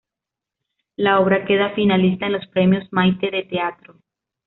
La obra queda finalista en los Premios Mayte de teatro.